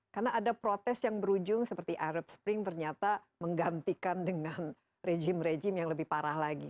karena ada protes yang berujung seperti arab spring ternyata menggantikan dengan rejim rejim yang lebih parah lagi